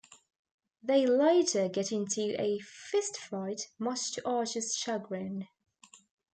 They later get into a fistfight, much to Archer's chagrin.